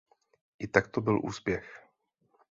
I tak to byl úspěch.